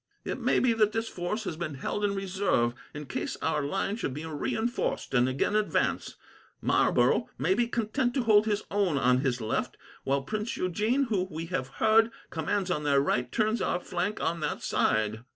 "It may be that this force has been held in reserve, in case our line should be reinforced, and again advance. Marlborough may be content to hold his own on his left, while Prince Eugene, who, we have heard, commands on their right, turns our flank on that side.